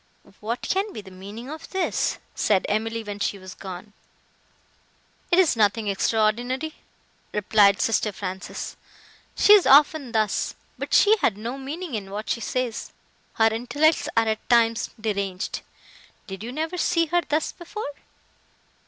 "What can be the meaning of this?" said Emily, when she was gone. "It is nothing extraordinary," replied sister Frances, "she is often thus; but she had no meaning in what she says. Her intellects are at times deranged. Did you never see her thus before?"